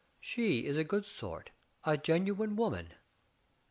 "She is a good sort — a genuine woman."